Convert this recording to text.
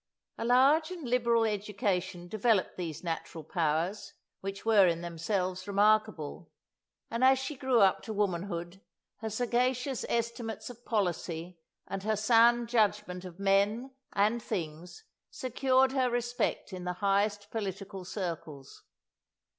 A large and liberal education developed these natural powers, which were in themselves remarkable, and as she grew up to womanhood her sagacious estimates of policy and her sound judgment of men and things secured her respect in the highest political circles.